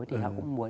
thì họ cũng muốn